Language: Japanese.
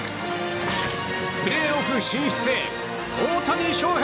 プレーオフ進出へ、大谷選手。